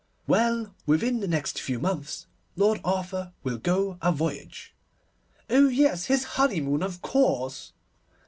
'Well, within the next few months Lord Arthur will go a voyage—' 'Oh yes, his honeymoon, of course!